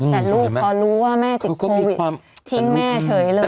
แต่ลูกพอรู้ว่าแม่ติดโควิดทิ้งแม่เฉยเลย